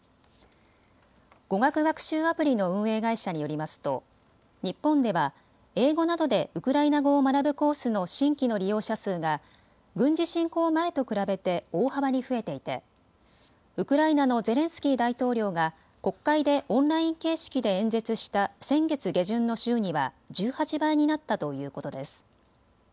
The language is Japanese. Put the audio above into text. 語学学習アプリの運営会社によりますと日本では英語などでウクライナ語を学ぶコースの新規の利用者数が軍事侵攻前と比べて大幅に増えていてウクライナのゼレンスキー大統領が国会でオンライン形式で演説した先月下旬の週には１８倍になったということです。